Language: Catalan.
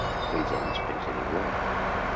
Els genis pensem igual.